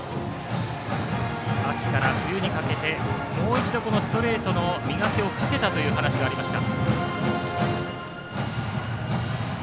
秋から冬にかけてもう一度ストレートの磨きをかけたという話がありました。